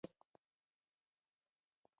ښځې په خپلو لاسو د خپل مخ اوښکې پاکې کړې.